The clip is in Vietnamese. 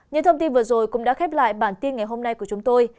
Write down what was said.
những thông tin vừa rồi cũng đã khép lại bản tin ngày hôm nay của chúng tôi